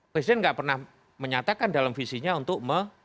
presiden nggak pernah menyatakan dalam visinya untuk